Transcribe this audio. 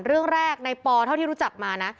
เรื่องแรกในปอเท่าที่รู้จักมานะ